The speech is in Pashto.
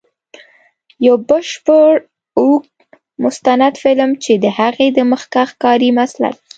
یو بشپړ اوږد مستند فلم، چې د هغې د مخکښ کاري مسلک.